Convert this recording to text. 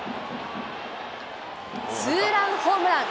ツーランホームラン。